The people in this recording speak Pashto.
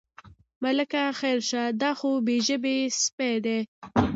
ملکه خیر شه، دا خو یو بې ژبې سپی دی.